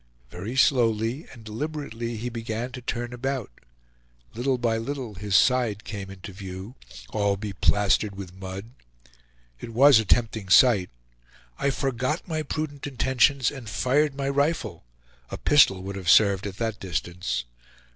Very slowly and deliberately he began to turn about; little by little his side came into view, all be plastered with mud. It was a tempting sight. I forgot my prudent intentions, and fired my rifle; a pistol would have served at that distance.